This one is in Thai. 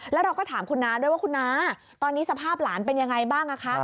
แล้วเราก็ถามคุณน้าด้วยว่าคุณน้าตอนนี้สภาพหลานเป็นยังไงบ้างคะ